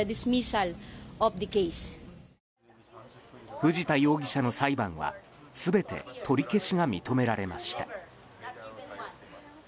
藤田容疑者の裁判は全て取り消しが認められました。